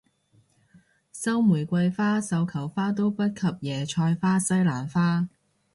收玫瑰花繡球花都不及椰菜花西蘭花